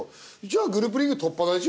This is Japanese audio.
じゃあグループリーグ突破が。